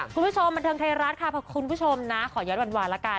คุณผู้ชมบันเทิงไทยรัฐค่ะขอย้อนหวานละกัน